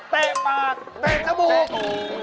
เตะปากเตะจมูก